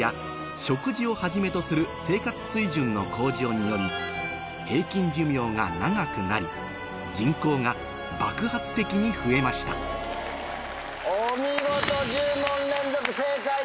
食事をはじめとする生活水準の向上により平均寿命が長くなり人口が爆発的に増えましたお見事１０問連続正解達成。